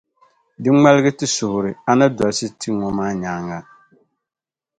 Di ŋmalgi ti suhiri A ni dolsi ti ŋɔ maa nyaaŋa.